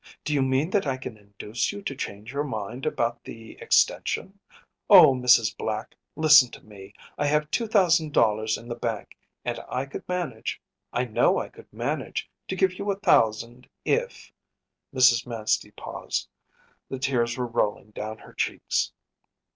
Do you mean that I can induce you to change your mind about the extension? Oh, Mrs. Black, listen to me. I have two thousand dollars in the bank and I could manage, I know I could manage, to give you a thousand if ‚ÄĚ Mrs. Manstey paused; the tears were rolling down her cheeks.